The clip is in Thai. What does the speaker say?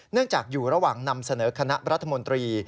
จากอยู่ระหว่างนำเสนอคณะรัฐมนตรี